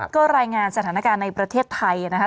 ก็รายงานสถานการณ์ในประเทศไทยนะคะ